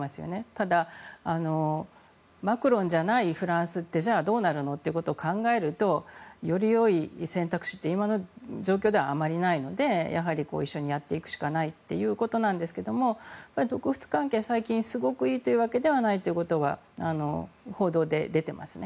ただ、マクロンじゃないフランスってじゃあ、どうなるのということを考えるとよりよい選択肢って今の状況ではあまりないのでやはり一緒にやっていくしかないということなんですが独仏関係、最近すごくいいというわけではないということは報道で出ていますね。